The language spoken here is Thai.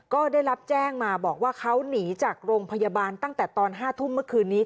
ก็ได้รับแจ้งมาบอกว่าเขาหนีจากโรงพยาบาลตั้งแต่ตอน๕ทุ่มเมื่อคืนนี้